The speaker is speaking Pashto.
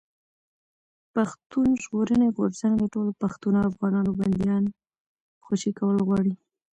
پښتون ژغورني غورځنګ د ټولو پښتنو افغانانو بنديانو خوشي کول غواړي.